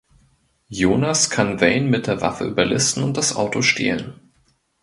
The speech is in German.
Jonas kann Wayne mit der Waffe überlisten und das Auto stehlen.